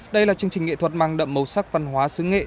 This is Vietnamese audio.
đây là chương trình nghệ thuật mang đậm màu sắc văn hóa xứ nghệ